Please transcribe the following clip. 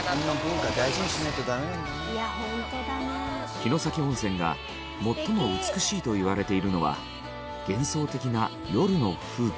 城崎温泉が最も美しいといわれているのは幻想的な夜の風景。